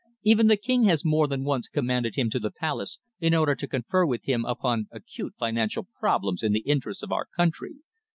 Even the King has more than once commanded him to the palace, in order to confer with him upon acute financial problems in the interests of our country.